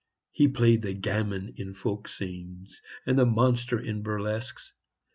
He played the gamin in folk scenes and the monster in burlesques.